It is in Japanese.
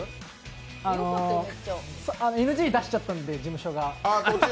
ＮＧ出しちゃったんで、事務所が。